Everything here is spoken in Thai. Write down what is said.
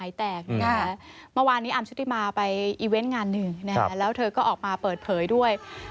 เมื่อวานนี้อาร์มชุติมาไปอีเวนต์งานหนึ่งแล้วเธอก็ออกมาเปิดเผยด้วย